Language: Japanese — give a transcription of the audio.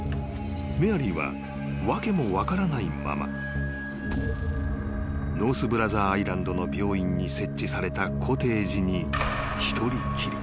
［メアリーは訳も分からないままノース・ブラザー・アイランドの病院に設置されたコテージに一人きり。